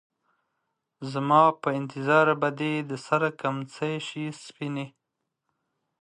زما په انتظار به دې د سـر کمڅـۍ شي سپينې